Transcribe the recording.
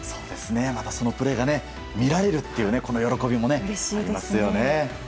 また、そのプレーが見られるという喜びもありますよね。